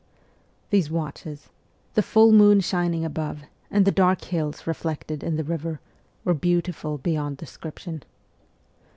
These watches the full moon shining above, and the dark hills reflected in the river were beautiful beyond description.